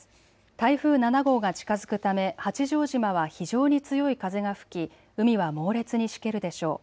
台風７号が近づくため八丈島は非常に強い風が吹き海は猛烈にしけるでしょう。